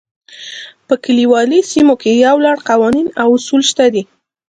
په کلیوالي سیمو کې یو لړ قوانین او اصول شته دي.